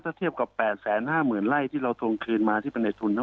ถ้าเทียบกับ๘๕๐๐๐ไร่ที่เราทวงคืนมาที่เป็นในทุน